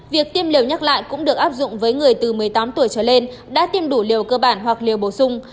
việc tiêm liều nhắc lại cũng được áp dụng với người từ một mươi tám tuổi trở lên đã tiêm đủ liều cơ bản hoặc liều bổ sung